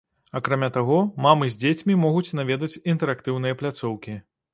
Акрамя таго, мамы з дзецьмі могуць наведаць інтэрактыўныя пляцоўкі.